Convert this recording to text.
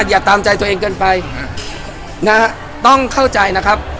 อย่าตามใจตัวเองเกินไปนะฮะต้องเข้าใจนะครับ